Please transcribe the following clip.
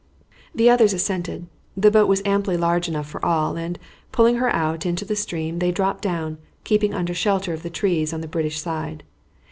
The others assented. The boat was amply large enough for all, and, pulling her out into the stream, they dropped down, keeping under shelter of the trees on the British side.